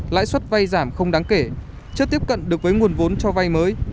lãi suất vay giảm không đáng kể chưa tiếp cận được với nguồn vốn cho vay mới